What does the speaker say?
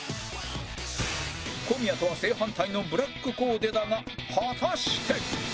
小宮とは正反対のブラックコーデだが果たして